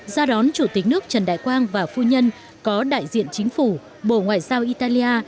ra đón chủ tịch nước trần đại quang và phu nhân có đại diện chính phủ bộ ngoại giao italia